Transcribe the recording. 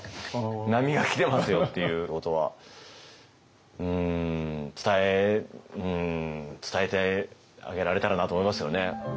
波がキてますよっていうことは伝えてあげられたらなと思いますよね。